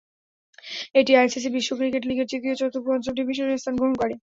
এটি আইসিসি বিশ্ব ক্রিকেট লীগের তৃতীয়, চতুর্থ, পঞ্চম ডিভিশনের স্থান গ্রহণ করে।